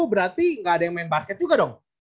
berarti nggak ada yang main basket juga dong